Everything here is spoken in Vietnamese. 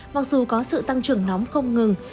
mặc dù có sự tăng trưởng nóng không ngừng